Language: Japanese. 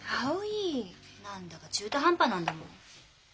何だか中途半端なんだもん。